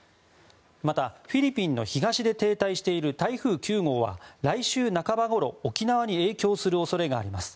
また、フィリピンの東で停滞している台風９号は来週半ばごろ沖縄に影響する恐れがあります。